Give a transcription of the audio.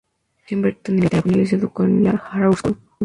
Nacido en Brighton, Inglaterra, Brunel se educó en la Harrow School.